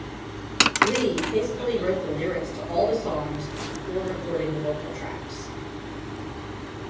Lee hastily wrote the lyrics to all the songs before recording the vocal tracks.